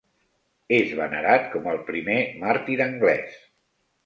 És venerat com al primer màrtir anglès.